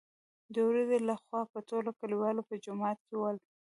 دورځې له خوا به ټول کليوال په جومات کې ول.